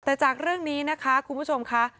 แต่จากเรื่องนี้นะคะคุณผู้ชมค่ะ